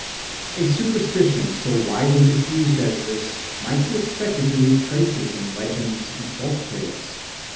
A superstition so widely diffused as this might be expected to leave traces in legends and folk tales.